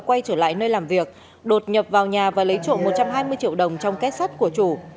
quay trở lại nơi làm việc đột nhập vào nhà và lấy trộm một trăm hai mươi triệu đồng trong kết sắt của chủ